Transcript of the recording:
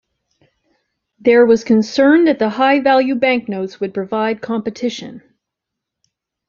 There was concern that the high value banknotes would provide competition.